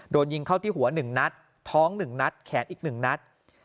โดนยิงเข้าที่หัว๑นัดท้อง๑นัดแขนอีก๑นัด